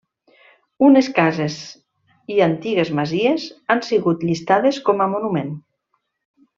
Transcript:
Unes cases i antigues masies han sigut llistades com a monument.